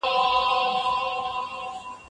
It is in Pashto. په غرنیو سیمو کې د کرنې مځکې لږې دي.